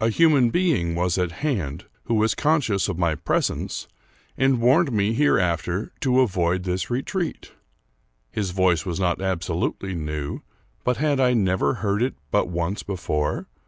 A human being was at hand, who was conscious of my presence, and warned me hereafter to avoid this re treat. His voice was not absolutely new, but had I never heard it but once before